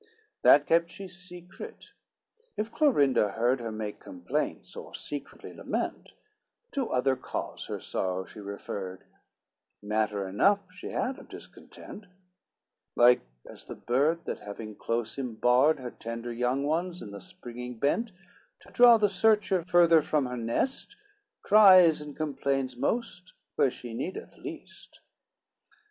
LXXX That kept she secret, if Clorinda heard Her make complaints, or secretly lament, To other cause her sorrow she referred: Matter enough she had of discontent, Like as the bird that having close imbarred Her tender young ones in the springing bent, To draw the searcher further from her nest, Cries and complains most where she needeth least.